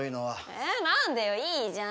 えっ何でよいいじゃん。